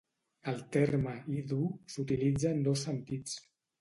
El terme "idu" s'utilitza en dos sentits.